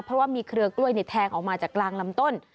เพราะว่ามีเครือกล้วยแทงออกมาจากกลางลำต้น